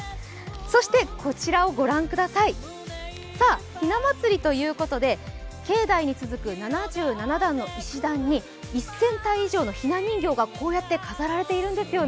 そしてこちらをご覧くださいひな祭りということで境内に続く７７段の石段に１０００体以上のひな人形がこうやって飾られているんですよね。